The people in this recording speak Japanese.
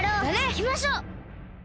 いきましょう！